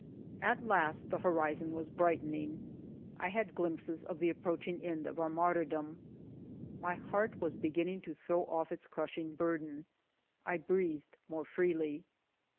At last the horizon was brightening, I had glimpses of the approaching end of our martyr domi. My heart was beginning to throw off its crushing burden ; I breathed more freely.